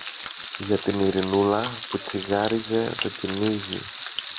για την Ειρηνούλα που τσιγάριζε το κυνήγι.